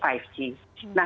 nah dengan adanya